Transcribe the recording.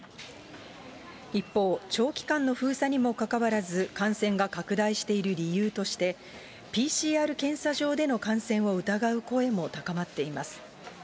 一方、長期間の封鎖にもかかわらず感染が拡大している理由として、ＰＣＲ検査場での感染を疑う声も高まっています。